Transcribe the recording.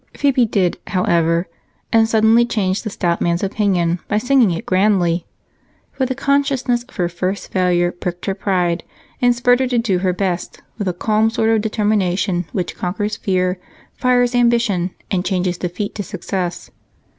Phebe did, however, and suddenly changed the stout man's opinion by singing it grandly, for the consciousness of her first failure pricked her pride and spurred her to do her best with the calm sort of determination which conquers fear, fires ambition, and changes defeat to success.